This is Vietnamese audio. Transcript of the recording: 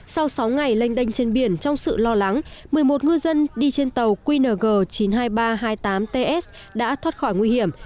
sau sáu ngày lênh đênh trên biển trong sự lo lắng một mươi một ngư dân đi trên tàu qng chín mươi hai nghìn ba trăm hai mươi tám ts đã thoát khỏi nguy hiểm